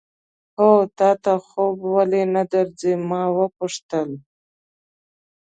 هو، تا ته خوب ولې نه درځي؟ ما وپوښتل.